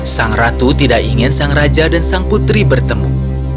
sang ratu tidak ingin sang raja dan sang putri bertemu